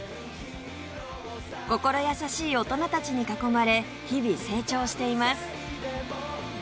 心優しい大人たちに囲まれ日々成長しています